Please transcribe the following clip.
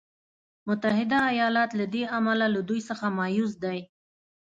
متحده ایالات له دې امله له دوی څخه مایوس دی.